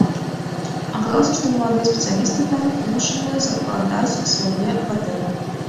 Аказалася, што маладыя спецыялісты там вымушаныя закладаць свае кватэры.